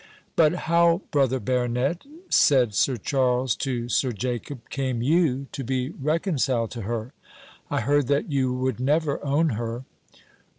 "But how, brother baronet," said Sir Charles to Sir Jacob, "came you to be reconciled to her? I heard that you would never own her."